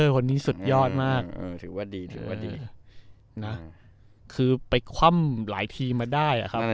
คนนี้สุดยอดมากถือว่าดีถือว่าดีนะคือไปคว่ำหลายทีมมาได้ครับ